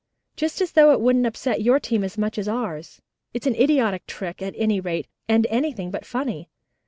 Just as though it wouldn't upset your team as much as ours. It's an idiotic trick, at any rate, and anything but funny.